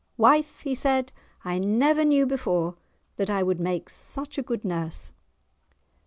"Wife," he said, "I never knew before that I would make such a good nurse."